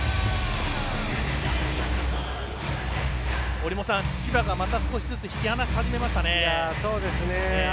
折茂さん、千葉が少しずつ引き離し始めましたね。